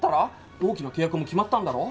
大きな契約も決まったんだろ？